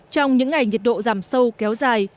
trong những ngày nhiệt độ giảm sâu kéo dài